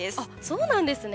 そうなんですね。